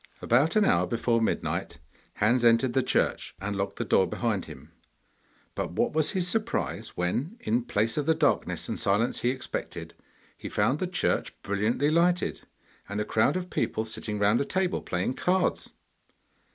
About an hour before midnight, Hans entered the church and locked the door behind him, but what was his surprise when, in place of the darkness and silence he expected, he found the church brilliantly lighted, and a crowd of people sitting round a table playing cards.